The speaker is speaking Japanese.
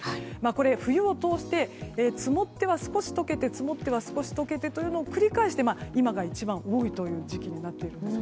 冬を通して積もっては少し溶けて積もっては少し溶けてを繰り返して今が一番多い時期になっているんです。